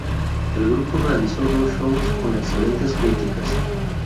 El grupo realizó dos shows con excelentes críticas.